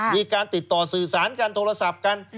มีการติดต่อสื่อสารกันโทรศัพท์กัน